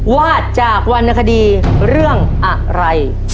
วาดจากวรรณคดีเรื่องอะไร